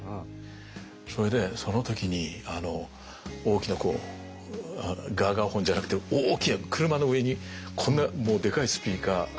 それでその時に大きなこうガーガーホンじゃなくて大きな車の上にこんなでかいスピーカー。